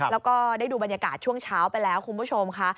แล้วก็ได้ดูบรรยากาศช่วงเช้าไปแล้วคุณผู้ชมค่ะ